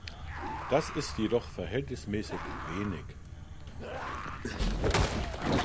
Das ist jedoch verhältnismäßig wenig.